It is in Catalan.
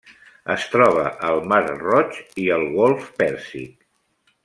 Es troba al mar Roig i el golf Pèrsic.